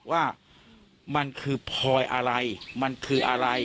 ว่ามันคือพลอยอะไรมันคืออะไร